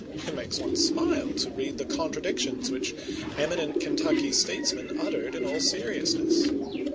It makes one smile to read the contradictions which eminent Kentucky statesmen uttered in all seriousness.